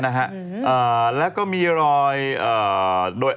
ไว้โรคที่คอพอดี